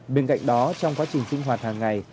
bên cạnh đó trong quá trình sinh hoạt hàng ngày